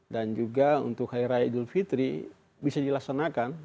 dan juga untuk hari raya idul fitri bisa dilaksanakan